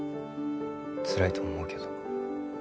つらいと思うけど。